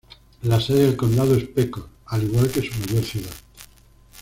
La sede del condado es Pecos, al igual que su mayor ciudad.